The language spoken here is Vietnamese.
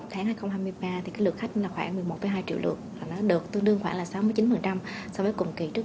một mươi một tháng hai nghìn hai mươi ba thì lượt khách là khoảng một mươi một hai triệu lượt tương đương khoảng sáu mươi chín so với cùng kỳ trước